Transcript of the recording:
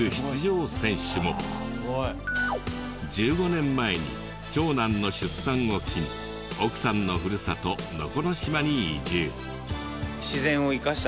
１５年前に長男の出産を機に奥さんのふるさと能古島に移住。